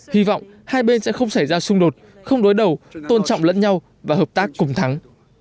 hy vọng hai bên sẽ không xảy ra xung đột không đối đầu tôn trọng lẫn nhau và hợp tác cùng thắng